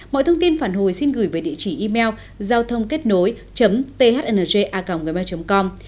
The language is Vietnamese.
mọi thông tin phản hồi xin gửi về địa chỉ email giao thôngkếtnối thnja gmail com